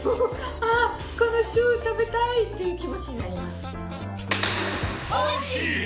ああこのシュー食べたい！っていう気持ちになります。